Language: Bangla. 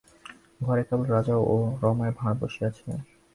ঘরে কেবল রাজা ও রমাই ভাঁড় বসিয়াছিলেন।